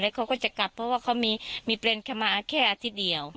แล้วเขาก็จะกลับเพราะว่าเขามีมีเปลี่ยนคำมาแค่อาทิตย์เดียว